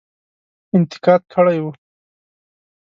انتقاد کړی وو.